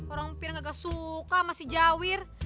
orang fian gak suka sama si jawir